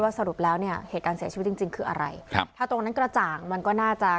สรุปแล้วเนี่ยเหตุการณ์เสียชีวิตจริงจริงคืออะไรครับถ้าตรงนั้นกระจ่างมันก็น่าจะ